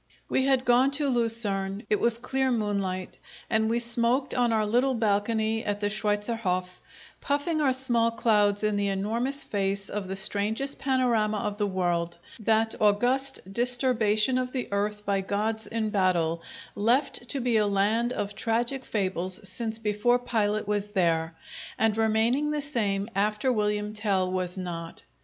We had gone to Lucerne; it was clear moonlight, and we smoked on our little balcony at the Schweitzerhof, puffing our small clouds in the enormous face of the strangest panorama of the world, that august disturbation of the earth by gods in battle, left to be a land of tragic fables since before Pilate was there, and remaining the same after William Tell was not.